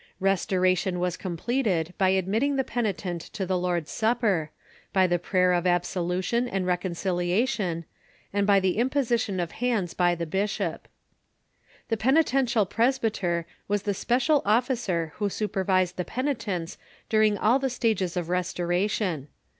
Restoration was completed by admitting the penitent to the Lord's Supper, by the prayer of absolution and reconciliation, and by the imposition of hands by the bishop. The penitential presbyter was the special officer who su pervised the penitents during all the stages of restoration.